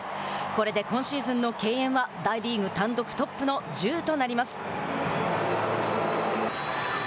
これで今シーズンの敬遠は大リーグ単独トップの１０となります。